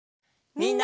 みんな！